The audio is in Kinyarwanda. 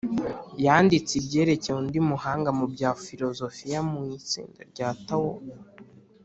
yanditse ibyerekeye undi muhanga mu bya filozofiya wo mu itsinda rya tao,